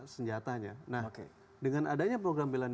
nah dengan adanya program pilihan negara yang khusus di bawah itu